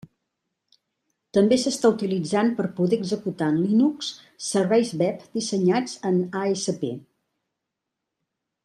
També s'està utilitzant per poder executar en Linux serveis web dissenyats en ASP.